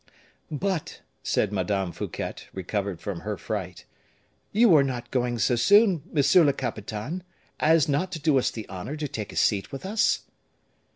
"But," said Madame Fouquet, recovered from her fright, "you are not going so soon, monsieur le capitaine, as not to do us the honor to take a seat with us?"